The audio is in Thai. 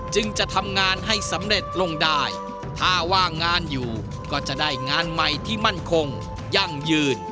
จึงจะทำงานให้สำเร็จลงได้ถ้าว่างงานอยู่ก็จะได้งานใหม่ที่มั่นคงยั่งยืน